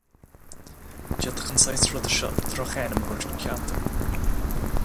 D'fhéadfadh an saghas ruda seo drochainm a thabhairt don cheantar.